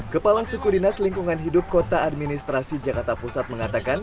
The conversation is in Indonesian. kepala suku dinas lingkungan hidup kota administrasi jakarta pusat mengatakan